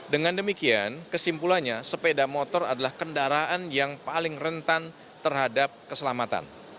dengan demikian kesimpulannya sepeda motor adalah kendaraan yang paling rentan terhadap keselamatan